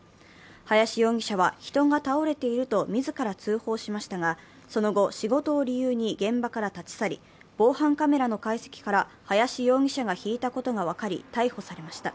林容疑者は、人が倒れていると自ら通報しましたがその後、仕事を理由に現場から立ち去り、防犯カメラの解析から林容疑者がひいたことが分かり、逮捕されました。